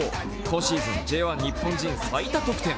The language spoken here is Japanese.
今シーズンＪ１日本人最多得点。